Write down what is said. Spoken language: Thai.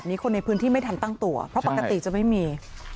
คนในพื้นที่ไม่ทันตั้งตัวเพราะปกติจะไม่มี